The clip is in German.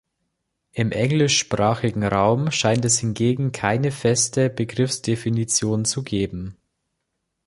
Im englischsprachigen Raum scheint es hingegen keine feste Begriffsdefinition zu geben.